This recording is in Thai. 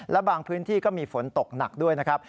และบางพื้นที่ก็มีฝนตกหนักด้วยนะครับ